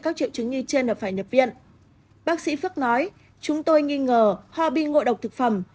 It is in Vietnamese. các triệu chứng như trên là phải nhập viện bác sĩ phước nói chúng tôi nghi ngờ ho bị ngộ độc thực phẩm